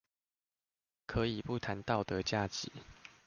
可以不談道德價值